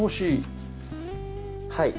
はい。